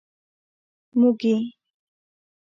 موږي.